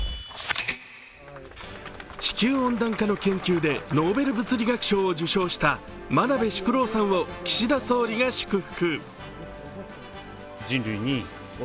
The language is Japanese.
地球温暖化の研究でノーベル物理学賞を受賞した真鍋淑郎さんを岸田総理が祝福。